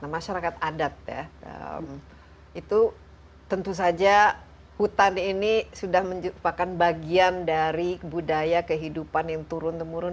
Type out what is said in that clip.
masyarakat adat ya itu tentu saja hutan ini sudah merupakan bagian dari budaya kehidupan yang turun temurun